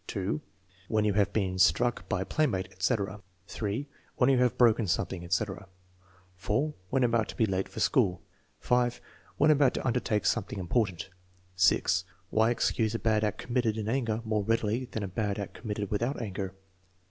(2) When you have been struck by a playmate, etc. (3) When you have broken something, etc. (4) When about to be late for school. (5) When about to undertake something important. (6) Why excuse a bad act committed in anger more readily than a bad act committed without anger.